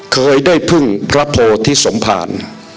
เคยได้พึ่งพระโพธิสมภาร